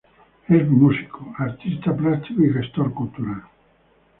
Es músico, artista plástico y gestor cultural.